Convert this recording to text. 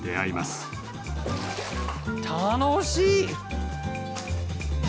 楽しい！